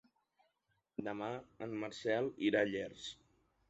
Demà en Marcel irà a Llers.